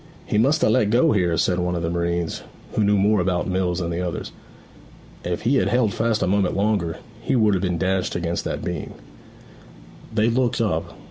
'He must ha' let go here,' said one of the marines, who knew more about mills than the others. 'If he had held fast a moment longer, he would have been dashed against that beam.' They looked up.